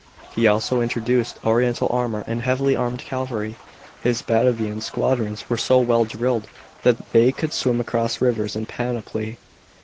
He also introduced oriental armour and heavily.armed cavalry. His Batavian squadrons were so well drilled that they could swim across rivers in panoply.